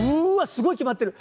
すごい決まってる！